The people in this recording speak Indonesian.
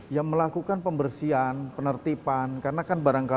ya melakukan pembersihan